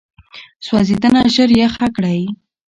سوځېدنه ژر یخه کړئ.